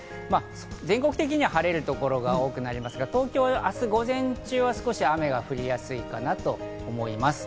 全国的には晴れる所が多くなりますが、東京は明日午前中、少し雨が降りやすいかなと思います。